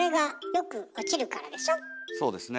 そうですね。